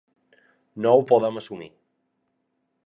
No ho podem assumir.